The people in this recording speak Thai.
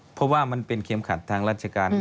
เพราะว่ามันเป็นเข็มขัดทางราชการ